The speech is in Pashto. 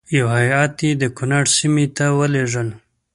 یو هیات یې د کنړ سیمې ته ولېږه.